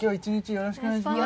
よろしくお願いします